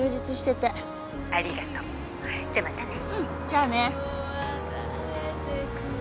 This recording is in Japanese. じゃあね。